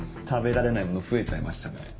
食べられないもの増えちゃいましたね。